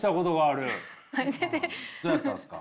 どうやったんですか？